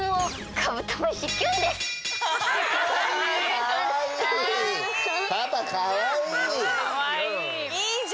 かわいいよ。